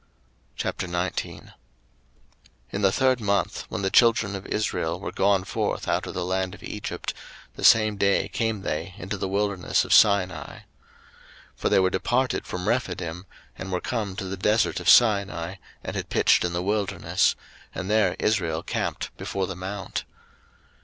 02:019:001 In the third month, when the children of Israel were gone forth out of the land of Egypt, the same day came they into the wilderness of Sinai. 02:019:002 For they were departed from Rephidim, and were come to the desert of Sinai, and had pitched in the wilderness; and there Israel camped before the mount.